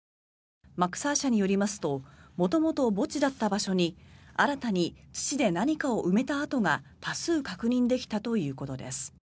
マクサー社によりますと元々、墓地だった場所に新たに土で何かを埋めた跡が多数確認できたということです。